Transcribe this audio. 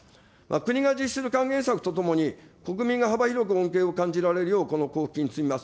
国が実施する還元策とともに国民が幅広く恩恵を感じられるようこの交付金つみます。